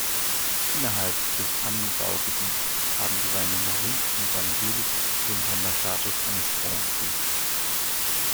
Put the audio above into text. Innerhalb des Anbaugebiets haben die Weine Maury und Banyuls den Sonderstatus eines Grand Cru.